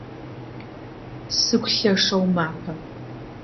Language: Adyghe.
Сыгу лъэшэу мапэ.